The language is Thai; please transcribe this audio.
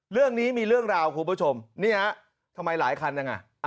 เรื่องนี้มีเรื่องราวคุณผู้ชมนี่ฮะทำไมหลายคันจังอ่ะ